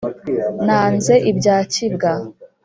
nanze ibya kibwa